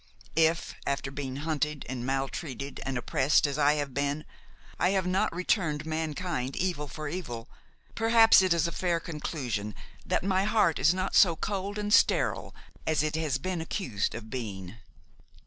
If, after being hunted and maltreated and oppressed as I have been, I have not returned mankind evil for evil, perhaps it is a fair conclusion that my heart is not so cold and sterile as it has been accused of being.